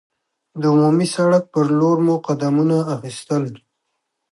د عمومي سړک پر لور مو قدمونه اخیستل.